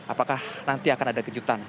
apakah nanti akan ada kejutan